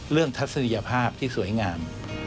เรื่องทัศนิยภาพที่สวยงาม